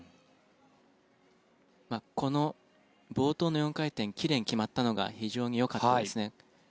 この冒頭の４回転奇麗に決まったのが非常によかったですね。